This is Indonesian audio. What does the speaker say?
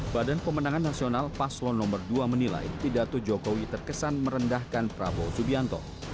badan pemenangan nasional paslo no dua menilai tidato jokowi terkesan merendahkan prabowo subianto